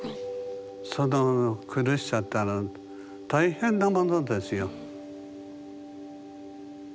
その苦しさったら大変なものですよ。